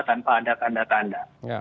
tanpa ada tanda tanda